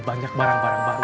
banyak barang barang baru